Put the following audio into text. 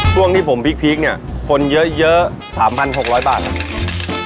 ช่วงที่ผมพีคเนี่ยคนเยอะ๓๖๐๐บาทนะ